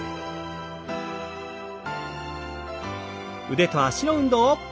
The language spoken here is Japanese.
腕と脚の運動。